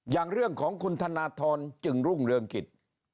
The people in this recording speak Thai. อย่างเรื่องของคุณธนทรจึงรุ่งเรืองกิจ